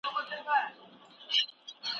راځئ چې په خپلو څېړنو کې حقایقو ته ژمن پاتې سو.